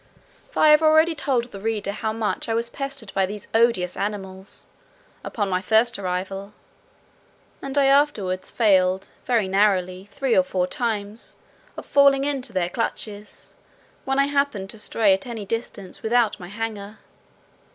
For I have already told the reader how much I was pestered by these odious animals, upon my first arrival; and I afterwards failed very narrowly, three or four times, of falling into their clutches, when I happened to stray at any distance without my hanger.